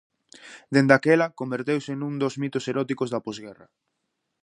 Dende aquela converteuse nun dos mitos eróticos da posguerra.